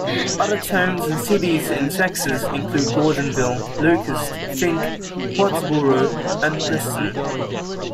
Other towns and cities in Texas include Gordonville, Locust, Fink, Pottsboro, and Preston.